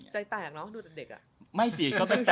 ใจแตลกเนอะดูตั้งเด็กอะ